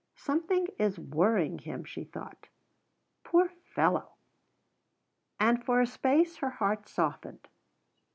"Something is worrying him," she thought. "Poor fellow!" And for a space her heart softened.